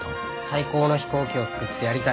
最高の飛行機を作ってやりたい。